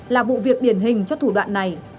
là vụ việc điển hình cho thủ đoạn này